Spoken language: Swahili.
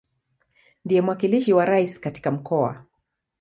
Ndiye mwakilishi wa Rais katika Mkoa.